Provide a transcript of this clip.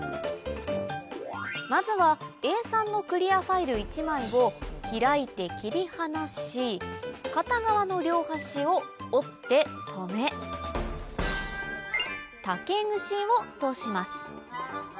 まずはＡ３のクリアファイル１枚を開いて切り離し片側の両端を折って留め竹ぐしを通します